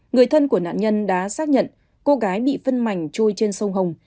người thân của nạn nhân đã xác nhận cô gái bị phân mảnh chui trên sông hồng